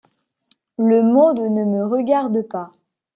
Le monde ne me regarde pas.